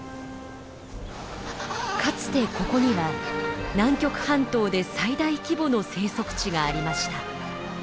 かつてここには南極半島で最大規模の生息地がありました。